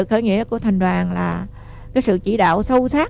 chứ mà vương thì bị bắt